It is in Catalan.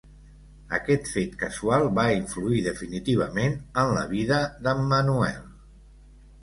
Aquest fet casual va influir definitivament en la vida d'Emmanuel.